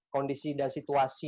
kondisi dan situasi